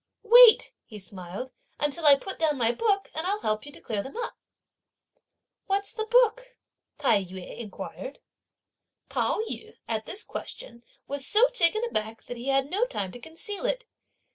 "Wait!" he smiled, "until I put down my book, and I'll help you to clear them up!" "What's the book?" Tai yü inquired. Pao yü at this question was so taken aback that he had no time to conceal it.